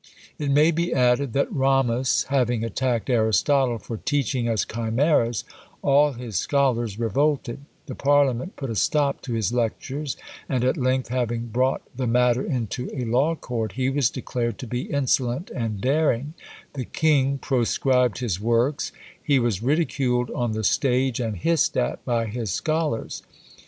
It may be added that Ramus having attacked Aristotle, for "teaching us chimeras," all his scholars revolted; the parliament put a stop to his lectures, and at length having brought the matter into a law court, he was declared "to be insolent and daring" the king proscribed his works, he was ridiculed on the stage, and hissed at by his scholars.